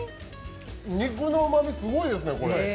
肉のうまみすごいですね、これ。